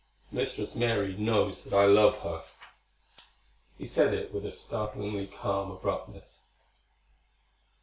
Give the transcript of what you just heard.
"Mistress Mary knows that I love her." He said it with a startlingly calm abruptness.